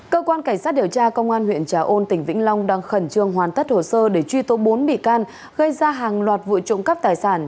cơ quan cảnh sát điều tra công an huyện trà ôn tỉnh vĩnh long đang khẩn trương hoàn tất hồ sơ để truy tố bốn bị can gây ra hàng loạt vụ trộm cắp tài sản